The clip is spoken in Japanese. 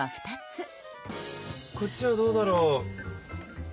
こっちはどうだろう？